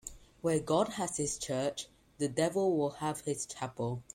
Where God has his church, the devil will have his chapel.